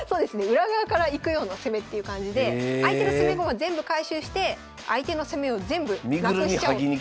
裏側からいくような攻めっていう感じで相手の攻め駒全部回収して相手の攻めを全部なくしちゃおうと。